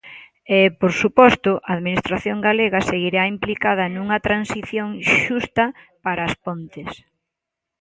E, por suposto, a Administración galega seguirá implicada nunha transición xusta para As Pontes.